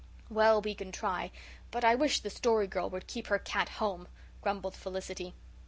"Well, we can try, but I wish the Story Girl would keep her cat home," grumbled Felicity.